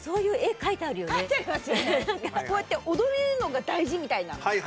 こうやって踊るのが大事みたいな。